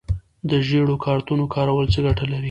د ژیړو کارتونو کارول څه ګټه لري؟